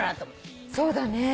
そうだね。